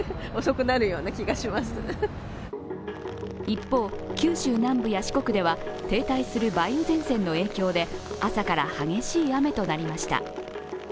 一方、九州南部や四国では停滞する梅雨前線の影響で朝から激しい雨となりました。